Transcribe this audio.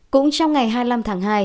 cũng trong ngày hai mươi năm tháng hai